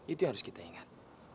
itu yang harus kita ingat